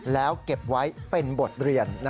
แล้วเก็บไว้เป็นบทเรียน